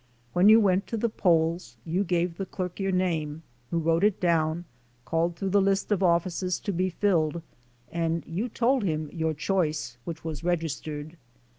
When you went to the polls you gave the clerk your name, who wrote it down, called through the list of offices to be filled and you told him your choice, which was registered.